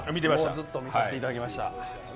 ずっと見させていただきました。